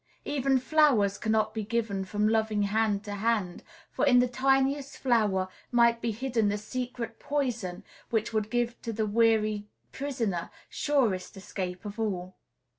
Even flowers cannot be given from loving hand to hand; for in the tiniest flower might be hidden the secret poison which would give to the weary prisoner surest escape of all.